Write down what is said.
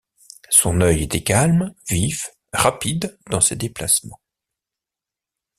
Son œil était calme, vif, rapide dans ses déplacements.